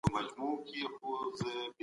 ماتې د بریا لومړی ګام دی.